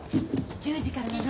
１０時からなの。